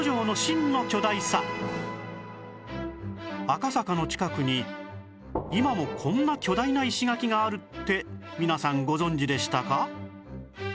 赤坂の近くに今もこんな巨大な石垣があるって皆さんご存じでしたか？